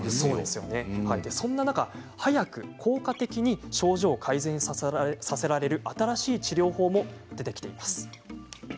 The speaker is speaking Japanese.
そんな中、早く効果的に症状を改善させられる新しい治療法も出てきています。